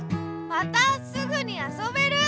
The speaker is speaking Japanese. またすぐにあそべる！